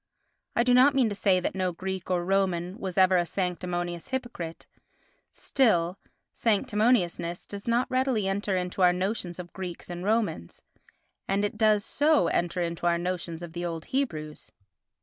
I do not mean to say that no Greek or Roman was ever a sanctimonious hypocrite, still, sanctimoniousness does not readily enter into our notions of Greeks and Romans and it does so enter into our notions of the old Hebrews.